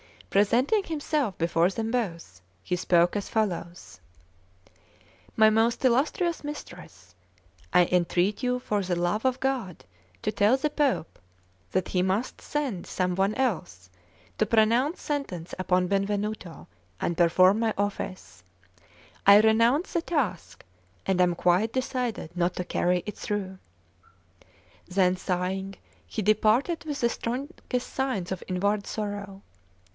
Presenting himself before them both, he spoke as follows: "My most illustrious mistress, I entreat you for the love of God to tell the Pope, that he must send some one else to pronounce sentence upon Benvenuto and perform my office; I renounce the task, and am quite decided not to carry it through." Then, sighing, he departed with the strongest signs of inward sorrow.